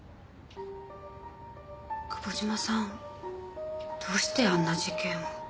久保島さんどうしてあんな事件を。